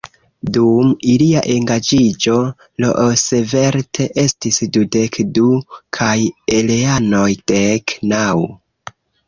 Dum ilia engaĝiĝo, Roosevelt estis dudek du kaj Eleanor dek naŭ.